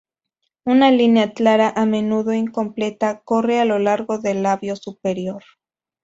Una línea clara, a menudo incompleta, corre a lo largo del labio superior.